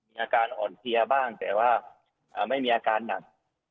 อาการอ่อนเพลียบ้างแต่ว่าไม่มีอาการหนัก